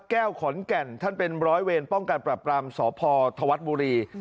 ร้อยตบรวจเอกณภพกท่านเป็นร้อยเวรต้องการปรับกลามโสพทว์ทหวัดบุรี